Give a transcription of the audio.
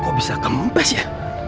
kok bisa kempes ya